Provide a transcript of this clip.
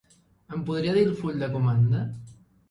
Em podria dir el full de comanda?